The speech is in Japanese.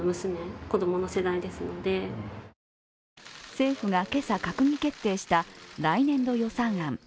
政府が今朝閣議決定した来年度予算案。